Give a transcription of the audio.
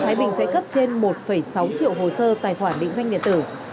thái bình sẽ cấp trên một sáu triệu hồ sơ tài khoản định danh điện tử